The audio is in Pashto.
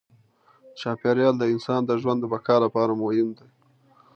چاپېریال د انسان د ژوند د بقا لپاره مهم دی.